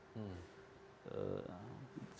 ini yang kita temui pak